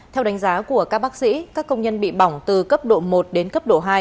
theo đánh giá của các bác sĩ các công nhân bị bỏng từ cấp độ một đến cấp độ hai